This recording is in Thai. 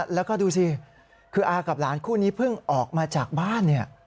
แล้วก็ดูสิคืออากับหลานคู่นี้เพิ่งออกมาจากบ้านเนี่ย